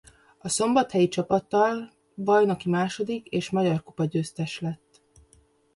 A szombathelyi csapattal bajnoki második és magyar kupa-győztes lett.